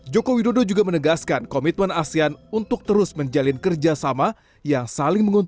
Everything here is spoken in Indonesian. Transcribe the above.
joko widodo juga menegaskan komitmen asean untuk terus menjalin kerjasama